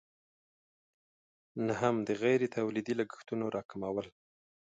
نهم: د غیر تولیدي لګښتونو راکمول.